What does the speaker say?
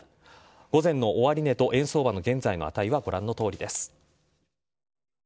午前の終値と円相場の現在の値はご覧のとおりです。